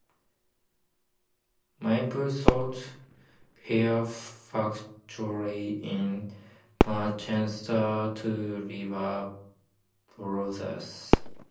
Maypole sold their factory in Manchester to Lever Brothers.